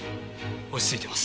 落ち着いています。